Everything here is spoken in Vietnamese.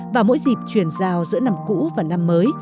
và mỗi dịp chuyển giao giữa năm cũ và năm mới